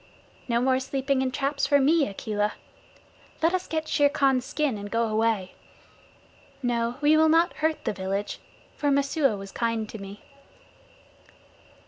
"No more sleeping in traps for me, Akela. Let us get Shere Khan's skin and go away. No, we will not hurt the village, for Messua was kind to me."